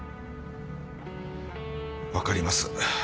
分かります。